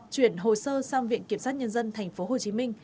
chuyển hồ sơ sang viện kiểm sát nhân dân tp hcm